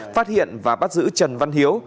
phát hiện và bắt giữ trần văn hiếu